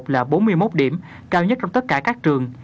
là bốn mươi một điểm cao nhất trong tất cả các trường